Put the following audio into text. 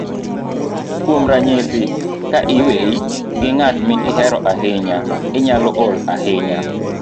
kuom ranyisi, ka iweyi gi ng'at mihero ahinya, inyalo ol ahinya